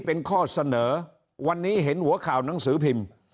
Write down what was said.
เป็นข้อเสนอวันนี้เห็นหัวข่าวหนังสือพิมพ์